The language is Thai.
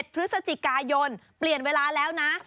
พฤศจิกายนเปลี่ยนเวลาแล้วนะ